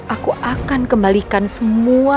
aku akan kembalikan semua